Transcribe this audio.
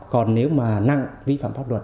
còn nếu mà năng vi phạm pháp luật